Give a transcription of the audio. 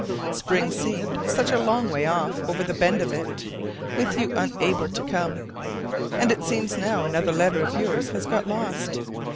Spring seemed such a long way off over the bend of it, with you unable to come; and it seems now another letter of yours has got lost.